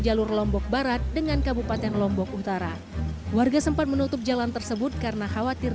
jalur lombok barat dengan kabupaten lombok utara warga sempat menutup jalan tersebut karena khawatir